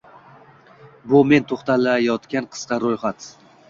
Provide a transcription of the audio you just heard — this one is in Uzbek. Bu men toʻxtalayotgan qisqa roʻyxat.